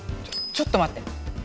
ちょっとまって。